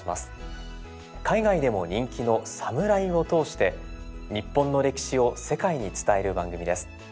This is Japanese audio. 海外でも人気の「サムライ」を通して日本の歴史を世界に伝える番組です。